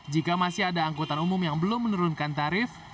jika masih ada angkutan umum yang belum menurunkan tarif